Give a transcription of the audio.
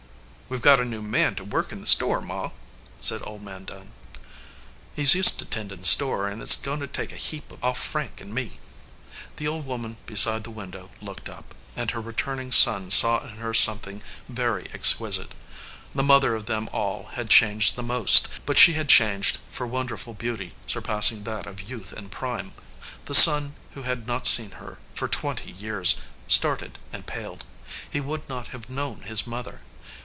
"We ve got a new man to work in the store, Ma," said Old Man Dunn. "He s used to tendin 301 EDGEWATER PEOPLE store, an* it s goin to take a heap off Frank and me." The old woman beside the window looked up, and her returning son saw in her something very exquisite. The mother of them all had changed the most, but she had changed for wonderful beauty, surpassing that of youth and prime. The son, who had not seen her for twenty years, started and paled. He would not have known his mother.